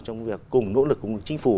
trong việc cùng nỗ lực cùng chính phủ